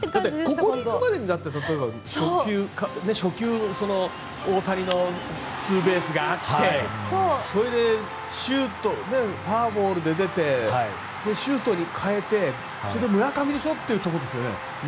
ここにいくまでに例えば、初球大谷のツーベースがあってそれでフォアボールで出て周東に代えて村上でしょってところですよね。